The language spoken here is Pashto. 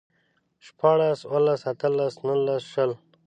شپاړلس، اوولس، اتلس، نولس، شل